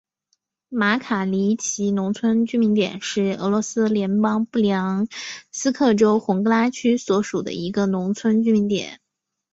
马卡里奇农村居民点是俄罗斯联邦布良斯克州红戈拉区所属的一个农村居民点。